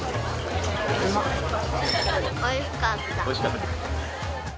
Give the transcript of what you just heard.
おいしかった。